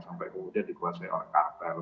sampai kemudian dikuasai oleh karakter gitu